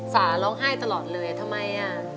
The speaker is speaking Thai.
สาร้องไห้ตลอดเลยทำไมอ่ะ